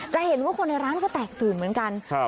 จะเห็นว่าคนในร้านก็แตกตื่นเหมือนกัน